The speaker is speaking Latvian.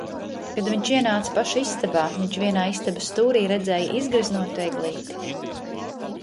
Kad viņš ienāca pašu istabā, viņš vienā istabas stūrī redzēja izgreznotu eglīti.